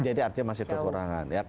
jadi artinya masih kekurangan